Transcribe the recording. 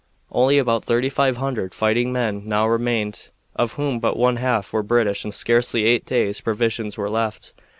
Only about thirty five hundred fighting men now remained, of whom but one half were British, and scarcely eight days' provisions were left.